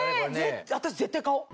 私絶対買おう！